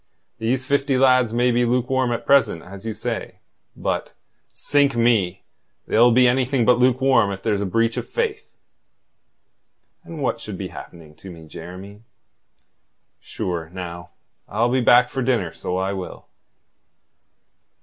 These fifty lads may be lukewarm at present, as you say, but sink me! they'll be anything but lukewarm if there's a breach of faith." "And what should be happening to me, Jeremy? Sure, now, I'll be back for dinner, so I will."